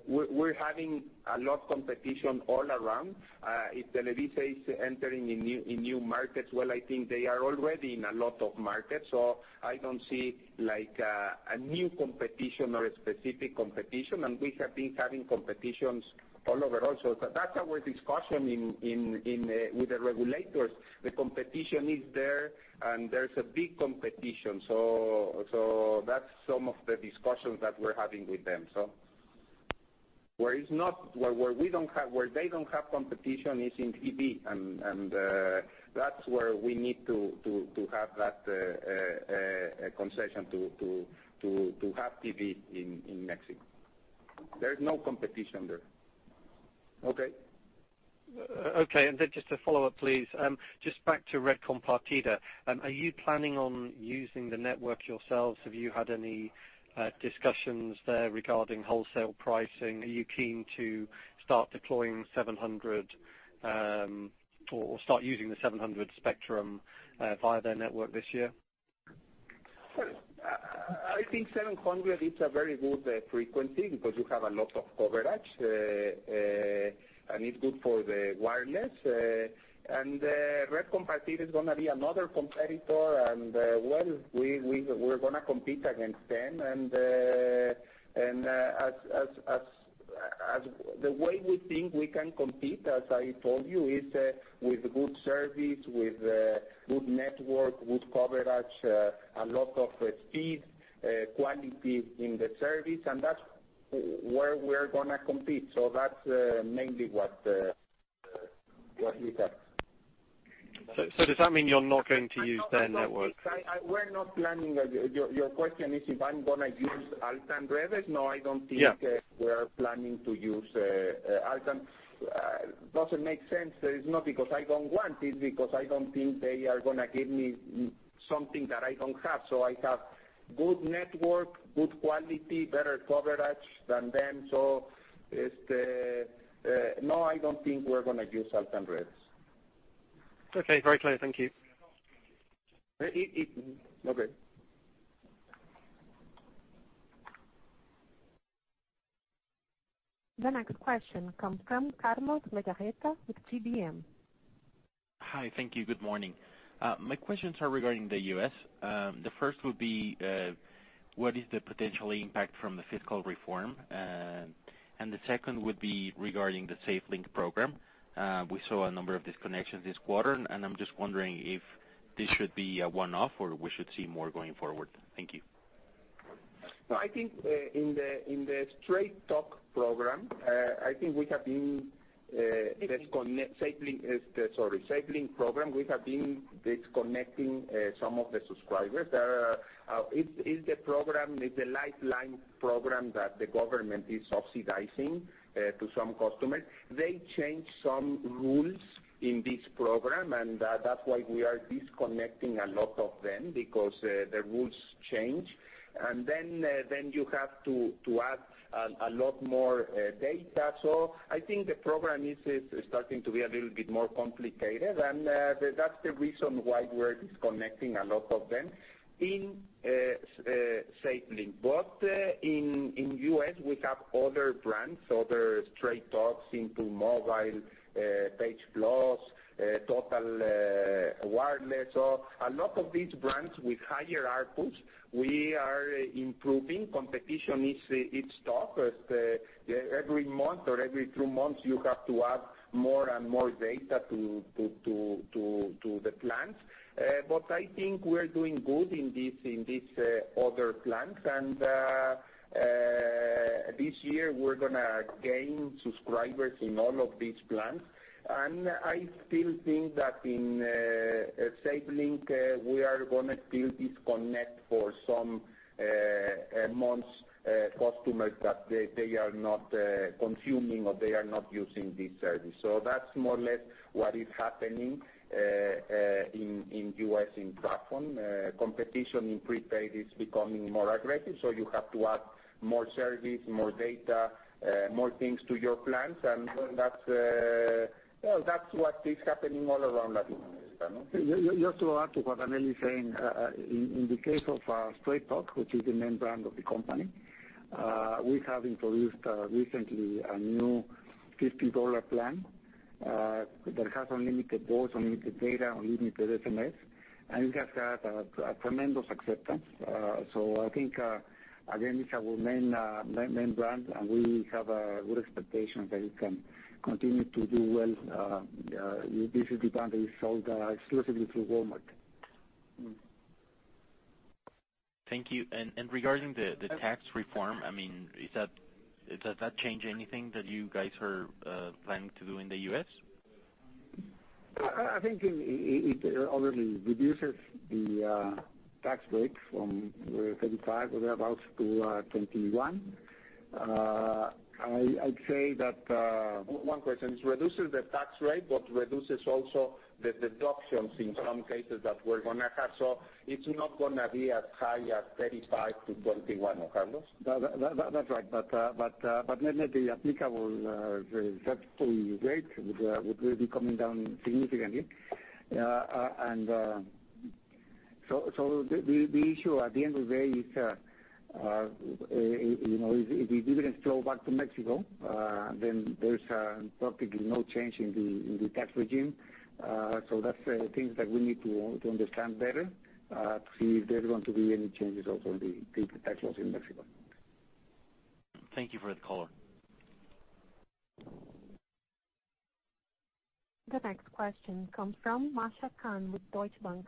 we're having a lot competition all around. If Televisa is entering in new markets, well, I think they are already in a lot of markets. I don't see a new competition or a specific competition, we have been having competitions all over also. That's our discussion with the regulators. The competition is there's a big competition. That's some of the discussions that we're having with them. Where they don't have competition is in TV, that's where we need to have that concession to have TV in Mexico. There's no competition there. Okay? Okay. Just to follow up, please, just back to Red Compartida. Are you planning on using the network yourselves? Have you had any discussions there regarding wholesale pricing? Are you keen to start deploying 700, or start using the 700 spectrum via their network this year? I think 700 is a very good frequency because you have a lot of coverage, it's good for the wireless. Red Compartida is going to be another competitor, well, we're going to compete against them. The way we think we can compete, as I told you, is with good service, with good network, good coverage, a lot of speed, quality in the service, that's where we're going to compete. That's mainly what we have. Does that mean you're not going to use their network? We're not planning. Your question is if I'm going to use Altán Redes. No, I don't think- Yeah we are planning to use Altán. Doesn't make sense. It's not because I don't want, it's because I don't think they are going to give me something that I don't have. I have good network, good quality, better coverage than them. No, I don't think we're going to use Altán Redes. Okay, very clear. Thank you. Okay. The next question comes from Carlos Ballareta with GBM. Hi. Thank you. Good morning. My questions are regarding the U.S. The first would be, what is the potential impact from the fiscal reform? The second would be regarding the SafeLink program. We saw a number of disconnections this quarter, and I'm just wondering if this should be a one-off, or we should see more going forward. Thank you. I think in the Straight Talk program, I think we have been disconnecting. Sorry, SafeLink program, we have been disconnecting some of the subscribers. It's a Lifeline program that the government is subsidizing to some customers. They changed some rules in this program, that's why we are disconnecting a lot of them, because the rules changed. Then you have to add a lot more data. I think the program is starting to be a little bit more complicated, that's the reason why we're disconnecting a lot of them in SafeLink. In U.S., we have other brands, other Straight Talk, Simple Mobile, Page Plus, Total Wireless. A lot of these brands with higher ARPU, we are improving. Competition is tough. Every month or every 2 months, you have to add more and more data to the plans. I think we're doing good in these other plans, this year we're going to gain subscribers in all of these plans. I still think that in SafeLink, we are going to still disconnect for some months, customers that they are not consuming or they are not using this service. That's more or less what is happening in U.S., in TracFone. Competition in prepaid is becoming more aggressive, you have to add more service, more data, more things to your plans. That's what is happening all around Latin America. Just to add to what Daniel is saying. In the case of Straight Talk, which is the main brand of the company, we have introduced recently a new MXN 50 plan that has unlimited voice, unlimited data, unlimited SMS, and it has had a tremendous acceptance. I think again, it's our main brand, and we have a good expectation that it can continue to do well. This is the brand that is sold exclusively through Walmart. Thank you. Regarding the tax reform, does that change anything that you guys were planning to do in the U.S.? I think it only reduces the tax rate from 35% or thereabouts to 21%. One question. It reduces the tax rate, but reduces also the deductions in some cases that we're going to have. It's not going to be as high as 35% to 21%, Carlos. That's right. Net net, the applicable tax rate would be coming down significantly. The issue at the end of the day is, if the dividends flow back to Mexico, then there's practically no change in the tax regime. That's things that we need to understand better to see if there's going to be any changes also in the tax laws in Mexico. Thank you for the color. The next question comes from Masha Kahn with Deutsche Bank.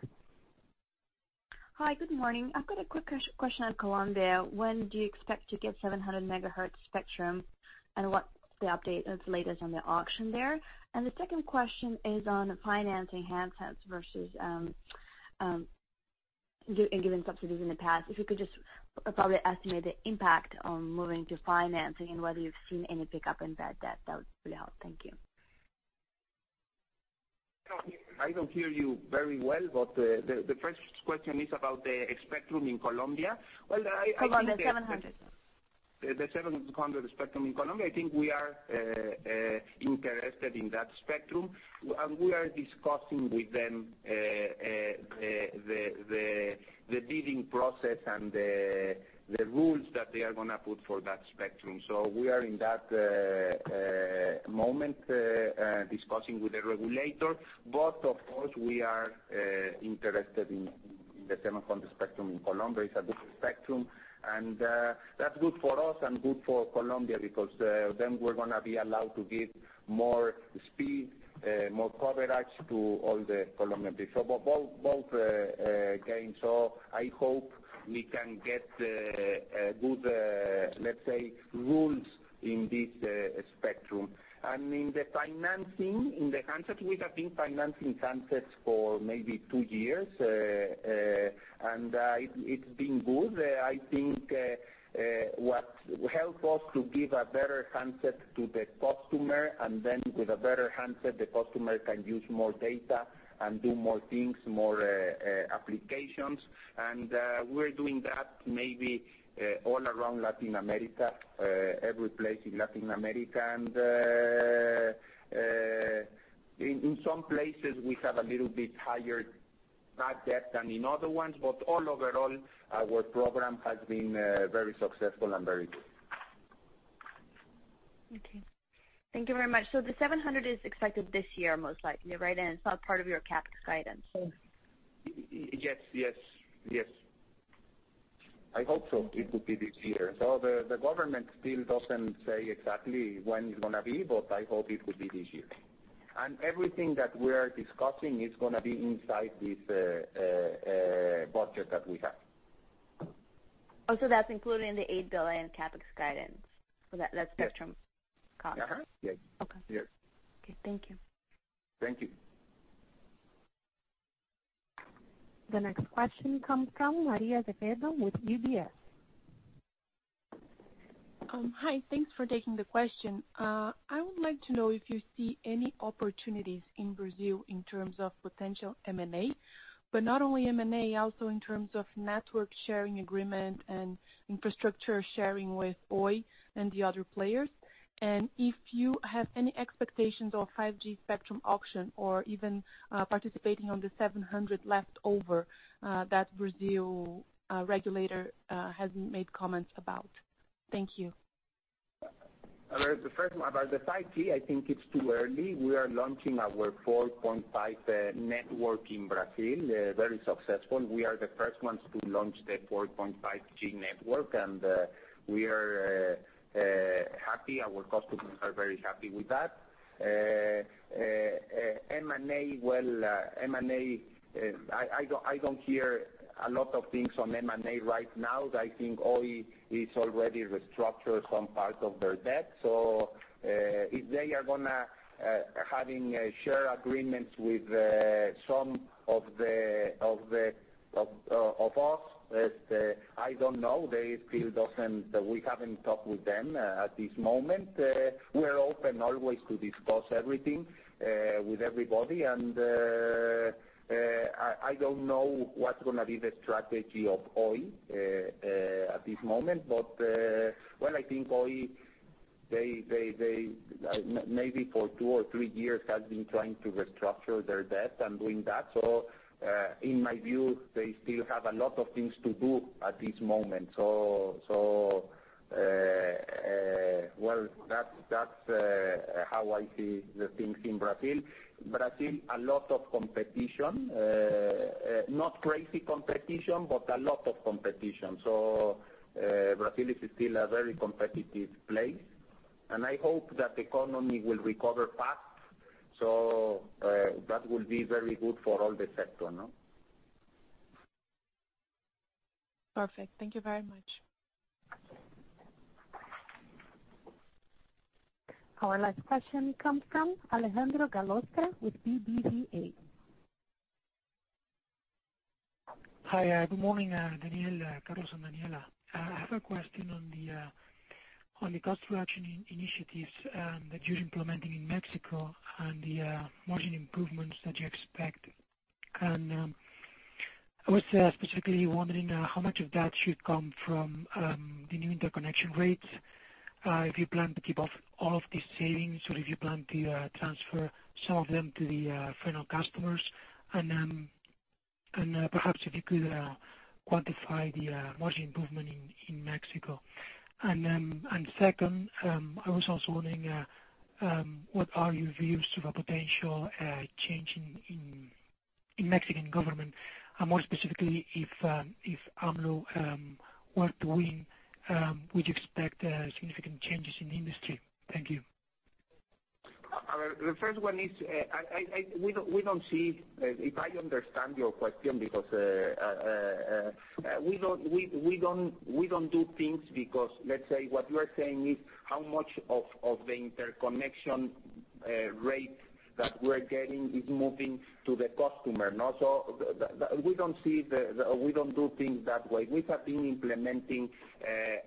Hi, good morning. I've got a quick question on Colombia. When do you expect to get 700 MHz spectrum? What's the update, or latest on the auction there? The second question is on financing handsets versus giving subsidies in the past. If you could just probably estimate the impact on moving to financing and whether you've seen any pickup in bad debt, that would really help. Thank you. I don't hear you very well, the first question is about the spectrum in Colombia. I think Colombia 700. The 700 spectrum in Colombia, I think we are interested in that spectrum, and we are discussing with them the bidding process and the rules that they are going to put for that spectrum. We are in that moment, discussing with the regulator. Of course, we are interested in the 700 spectrum in Colombia. It's a good spectrum, and that's good for us and good for Colombia, because then we're going to be allowed to give more speed, more coverage to all the Colombian people. Both gain. I hope we can get good, let's say, rules in this spectrum. In the financing, in the handsets, we have been financing handsets for maybe two years, and it's been good. I think what helped us to give a better handset to the customer, and then with a better handset, the customer can use more data. Do more things, more applications. We're doing that maybe all around Latin America, every place in Latin America. In some places, we have a little bit higher bad debt than in other ones. All overall, our program has been very successful and very good. Okay. Thank you very much. The 700 MHz is expected this year, most likely, right? It's not part of your CapEx guidance. Yes. I hope so, it would be this year. The government still doesn't say exactly when it's going to be, but I hope it will be this year. Everything that we are discussing is going to be inside this budget that we have. That's included in the MXN 8 billion CapEx guidance for that- Yes spectrum cost. Yes. Okay. Yes. Okay, thank you. Thank you. The next question comes from Maria Zeferino with UBS. Hi, thanks for taking the question. I would like to know if you see any opportunities in Brazil in terms of potential M&A, but not only M&A, also in terms of network sharing agreement and infrastructure sharing with Oi and the other players. If you have any expectations of 5G spectrum auction or even participating on the 700 leftover, that Brazil regulator has made comments about. Thank you. About the 5G, I think it's too early. We are launching our 4.5G network in Brazil, very successful. We are the first ones to launch the 4.5G network, and we are happy. Our customers are very happy with that. M&A, I don't hear a lot of things on M&A right now. I think Oi is already restructured some part of their debt. If they are going to have share agreements with some of us, I don't know. We haven't talked with them at this moment. We're open always to discuss everything with everybody, and I don't know what's going to be the strategy of Oi at this moment. Well, I think Oi, maybe for two or three years, has been trying to restructure their debt and doing that. In my view, they still have a lot of things to do at this moment. Well, that's how I see the things in Brazil. Brazil, a lot of competition, not crazy competition, but a lot of competition. Brazil is still a very competitive place, and I hope that the economy will recover fast, so that will be very good for all the sector, no? Perfect. Thank you very much. Our last question comes from Alejandro Gallostra with BBVA. Hi, good morning Daniel, Carlos, and Daniela. I have a question on the cost reduction initiatives that you're implementing in Mexico and the margin improvements that you expect. I was specifically wondering how much of that should come from the new interconnection rates, if you plan to keep all of these savings or if you plan to transfer some of them to the final customers, and perhaps if you could quantify the margin improvement in Mexico. Second, I was also wondering, what are your views to the potential change in Mexican government? More specifically, if AMLO were to win, would you expect significant changes in the industry? Thank you. The first one is, we don't do things because let's say what you are saying is how much of the interconnection rate that we're getting is moving to the customer. We don't do things that way. We have been implementing a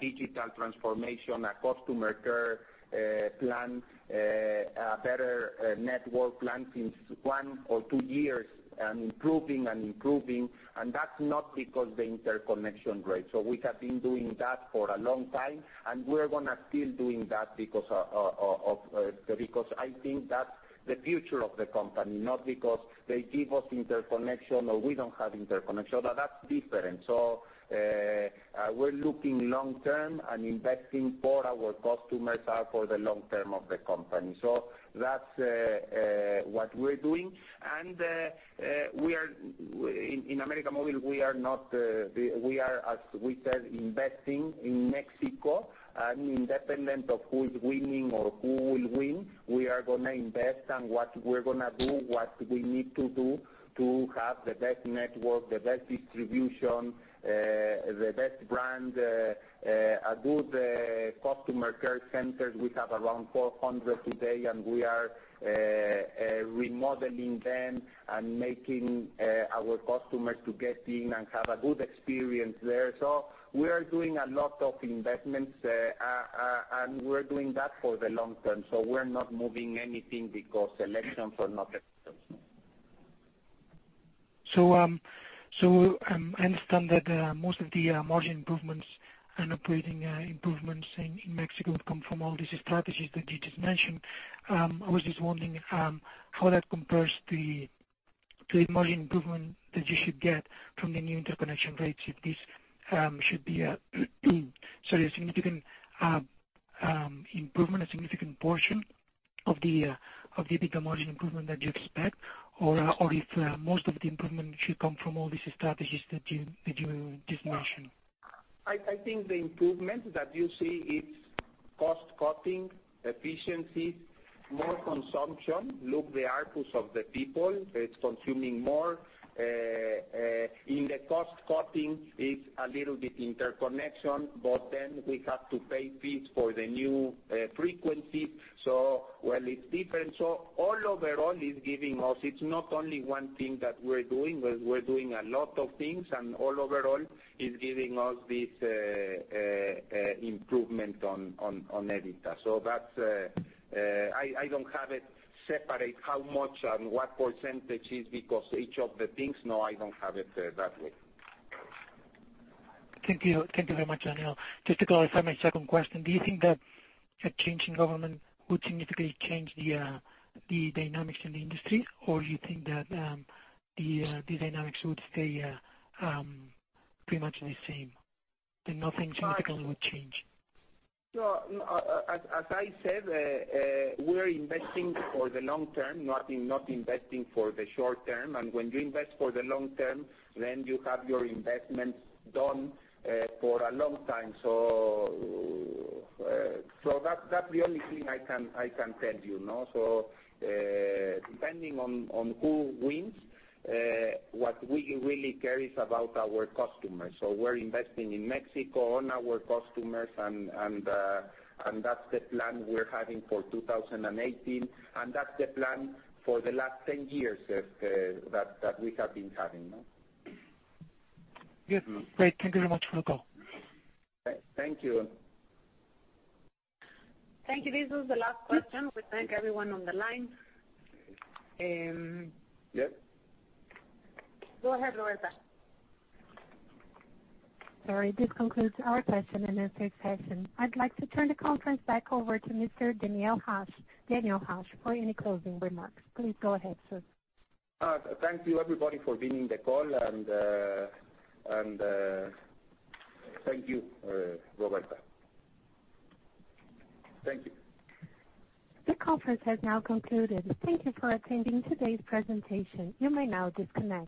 digital transformation, a customer care plan, a better network plan since one or two years, and improving and improving. That's not because the interconnection rate. We have been doing that for a long time, and we're going to keep doing that because I think that's the future of the company, not because they give us interconnection or we don't have interconnection, now that's different. We're looking long term and investing for our customers and for the long term of the company. That's what we're doing, and in América Móvil, we are, as we said, investing in Mexico. Independent of who is winning or who will win, we are going to invest and what we're going to do, what we need to do to have the best network, the best distribution, the best brand, a good customer care centers. We have around 400 today, and we are remodeling them and making our customers to get in and have a good experience there. We are doing a lot of investments, and we're doing that for the long term. We're not moving anything because elections or not elections. I understand that most of the margin improvements and operating improvements in Mexico would come from all these strategies that you just mentioned. I was just wondering how that compares to the margin improvement that you should get from the new interconnection rates, if this should be a significant improvement, a significant portion of the EBITDA margin improvement that you expect, or if most of the improvement should come from all these strategies that you just mentioned. I think the improvement that you see, it's cost cutting, efficiencies, more consumption. Look the ARPU of the people, it's consuming more. In the cost cutting, it's a little bit interconnection, we have to pay fees for the new frequency. It's different. Overall it's giving us, it's not only one thing that we're doing, but we're doing a lot of things, and overall, it's giving us this improvement on EBITDA. I don't have it separate how much and what % is because each of the things. No, I don't have it that way. Thank you. Thank you very much, Daniel. Just to clarify my second question, do you think that a change in government would significantly change the dynamics in the industry, or you think that the dynamics would stay pretty much the same, that nothing significant would change? As I said, we're investing for the long term, not investing for the short term. When you invest for the long term, then you have your investments done for a long time. That's the only thing I can tell you. Depending on who wins, what we really care is about our customers. We're investing in Mexico, on our customers, and that's the plan we're having for 2018. That's the plan for the last 10 years that we have been having. Good. Great. Thank you very much for the call. Thank you. Thank you. This was the last question. We thank everyone on the line. Yes. Go ahead, Roberta. Sorry, this concludes our question and answer session. I'd like to turn the conference back over to Mr. Daniel Hajj for any closing remarks. Please go ahead, sir. Thank you, everybody, for being in the call, and thank you, Roberta. Thank you. The conference has now concluded. Thank you for attending today's presentation. You may now disconnect.